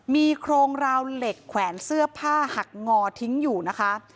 มีโครงราวเหล็กแขวนเสื้อผ้าหักงอทิ้งอยู่นะคะ